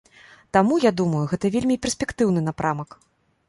Таму я думаю, гэта вельмі перспектыўны напрамак.